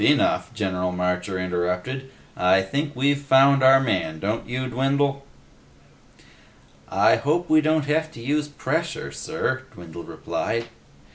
Enough," General Marcher interrupted. "I think we've found our man, don't you, Dwindle?" "I hope we don't have to use pressure, sir," Dwindle replied.